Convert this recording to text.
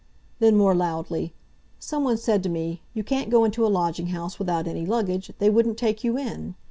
Then, more loudly, "Someone said to me, 'You can't go into a lodging house without any luggage. They wouldn't take you in.